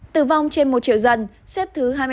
tử vong trên một triệu dân xếp thứ hai mươi hai